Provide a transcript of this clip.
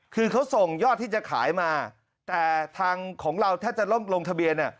คือเขาส่งยอดที่จะขายมาแต่ทางของเราถ้าจะลงทะเบียน